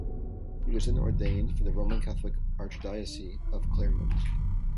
He was then ordained for the Roman Catholic Archdiocese of Clermont.